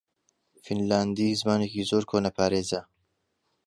فینلاندی زمانێکی زۆر کۆنەپارێزە.